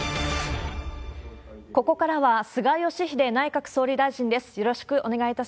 ここからは、菅義偉内閣総理大臣です。